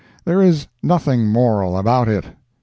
There is nothing moral about it.